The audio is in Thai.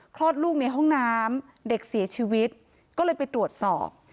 คลอดลูกในห้องน้ำเด็กเสียชีวิตก็เลยไปตรวจสอบ